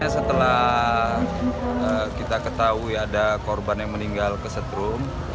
setelah kita ketahui ada korban yang meninggal ke setrum